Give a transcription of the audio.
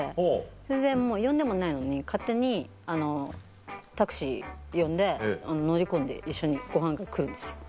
全然呼んでもないのに勝手にタクシー呼んで乗り込んで一緒にごはん会来るんですよ。